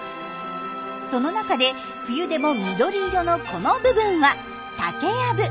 その中で冬でも緑色のこの部分は竹やぶ。